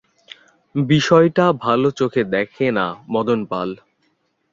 বিষয়টা ভালো চোখে দেখে না মদন পাল।